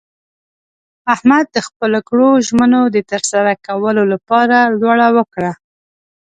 احمد د خپلو کړو ژمنو د ترسره کولو لپاره لوړه وکړله.